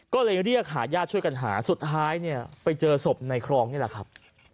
ก็เลยเรียกหาญาติช่วยกันหาสุดท้ายเนี่ยไปเจอศพในคลองนี่แหละครับ